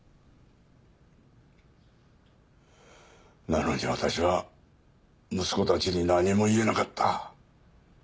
なのに私は息子たちに何も言えなかった。